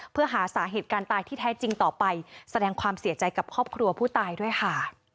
เพื่อหาสาเหตุการณ์ตายที่แท้จริงต่อไปแสดงความเสียใจกับครอบครัวผู้ตายด้วยค่ะ